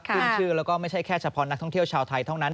ขึ้นชื่อแล้วก็ไม่ใช่แค่เฉพาะนักท่องเที่ยวชาวไทยเท่านั้น